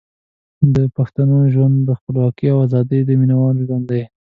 د پښتنو ژوند د خپلواکۍ او ازادۍ د مینوالو ژوند دی.